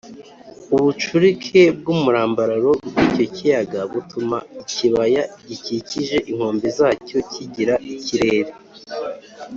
ubucurike bw’umurambararo w’icyo kiyaga butuma ikibaya gikikije inkombe zacyo kigira ikirere